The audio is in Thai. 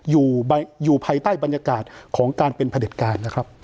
อยู่ใบอยู่ภายใต้บรรยากาศของการเป็นผลิตการนะครับ